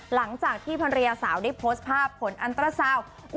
หลังจากที่ภรรยาสาวได้โพสต์ภาพผลอันตราซาวน์